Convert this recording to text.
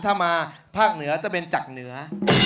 ถ้ามาภาคเหนือจะเป็นจากเหนือ